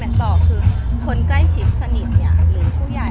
แม็กซ์ก็คือหนักที่สุดในชีวิตเลยจริง